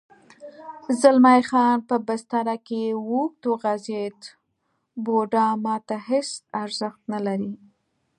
زلمی خان په بستره کې اوږد وغځېد: بوډا ما ته هېڅ ارزښت نه لري.